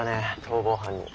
逃亡犯に。